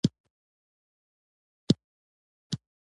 زه غریب یم، لانجه نه شم کولای.